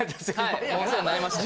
お世話になりました